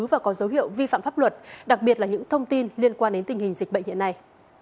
và có dấu hiệu vi phạm pháp luật đặc biệt là những thông tin liên quan đến tình hình dịch bệnh hiện nay